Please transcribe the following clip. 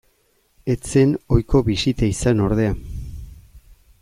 Ez zen ohiko bisita izan ordea.